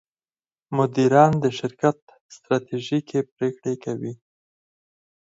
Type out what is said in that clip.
مدیران د شرکت ستراتیژیکې پرېکړې کوي.